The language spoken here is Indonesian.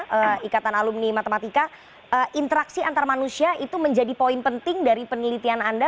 ketika di ketika alunni matematika interaksi antar manusia itu menjadi poin penting dari penelitian anda